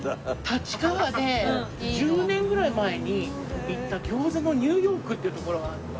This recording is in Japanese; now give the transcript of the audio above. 立川で１０年ぐらい前に行った「餃子のニューヨーク」っていうところがあって。